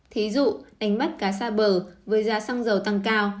thí dụ đánh bắt cá xa bờ với giá xăng dầu tăng cao